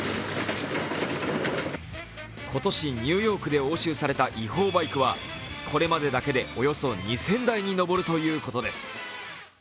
今年、ニューヨークで押収された違法バイクはこれまでだけでおよそ２０００台に上るということです。